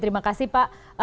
terima kasih pak